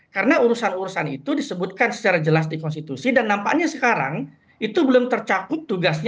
karena urusan urusan itu disebutkan secara jelas di konstitusi dan nampaknya sekarang itu belum tercakup tugasnya